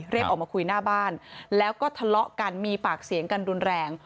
ออกมาคุยหน้าบ้านแล้วก็ทะเลาะกันมีปากเสียงกันรุนแรง